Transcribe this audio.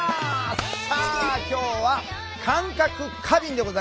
さあ今日は「感覚過敏」でございます。